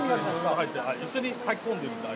一緒に炊き込んでるんです。